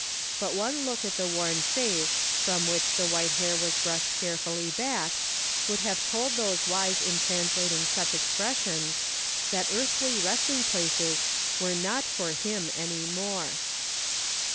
But one look at the worn face, from which the white hair was brushed carefull} back, would have told those wise in translating such expressions, ''DELIVERANCE." 307 that eartlily resting places were not for him any more.